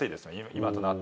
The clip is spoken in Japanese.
今となっては。